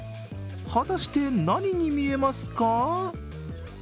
果たして、何に見えますか？